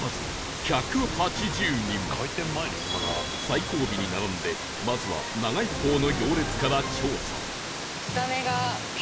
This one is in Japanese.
最後尾に並んでまずは長い方の行列から調査